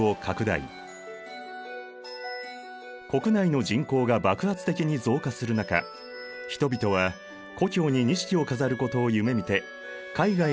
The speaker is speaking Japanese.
国内の人口が爆発的に増加する中人々は故郷に錦を飾ることを夢みて海外に働きに出るようになった。